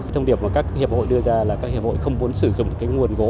thông điệp mà các hiệp hội đưa ra là các hiệp hội không muốn sử dụng cái nguồn gố